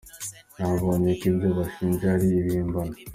“Babonye ko ibyo banshinja ari ibihimbano.